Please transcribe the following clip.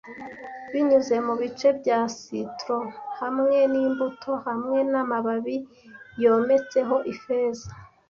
Binyuze mubice bya citrons hamwe nimbuto hamwe namababi yometseho feza,